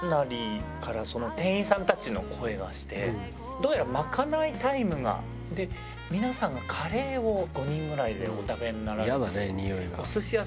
どうやらまかないタイムで皆さんがカレーを５人ぐらいでお食べになられて。